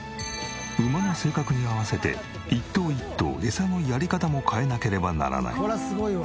馬の性格に合わせて一頭一頭エサのやり方も変えなければならない。